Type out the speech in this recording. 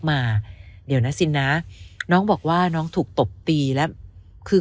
มาเดี๋ยวนะซินนะน้องบอกว่าน้องถูกตบตีแล้วคือ